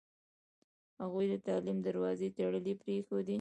هغوی د تعلیم دروازې تړلې پرېښودې.